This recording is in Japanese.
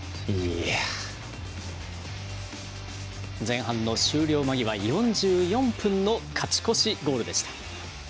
前半の終了間際４４分の勝ち越しゴールでした。